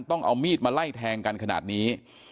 ต้องเอามีดมาไล่แทงกันขนาดนี้